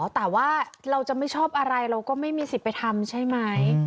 แต่ว่าเราจะไม่ชอบอะไรเราก็ไม่มีสิทธิ์ไปทำใช่ไหม